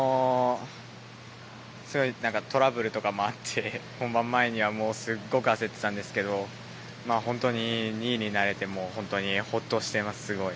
すごいトラブルとかもあって本番前にはすごく焦っていたんですけど本当に２位になれて本当にホッとしています。